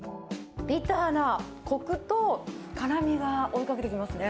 ビターなこくと辛みが追いかけてきますね。